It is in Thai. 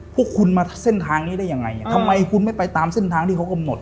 พวกคุณมาเส้นทางนี้ได้ยังไงทำไมคุณไม่ไปตามเส้นทางที่เขากำหนด